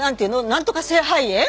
なんとか性肺炎？